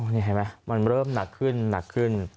นี่เห็นไหมมันเริ่มหนักขึ้นหนักขึ้น